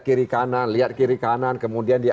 kiri kanan lihat kiri kanan kemudian dia